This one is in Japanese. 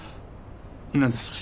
何だそれ。